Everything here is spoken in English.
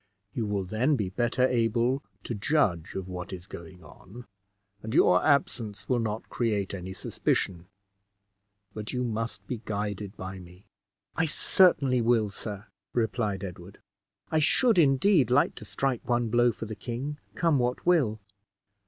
You will then be better able to judge of what is going on, and your absence will not create any suspicion; but you must be guided by me." "I certainly will, sir," replied Edward. "I should, indeed, like to strike one blow for the king, come what will."